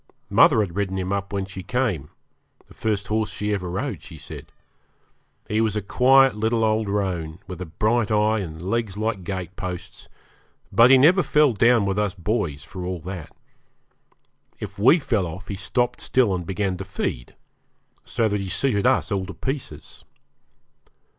Mother had ridden him up when she came the first horse she ever rode, she said. He was a quiet little old roan, with a bright eye and legs like gate posts, but he never fell down with us boys, for all that. If we fell off he stopped still and began to feed, so that he suited us all to pieces.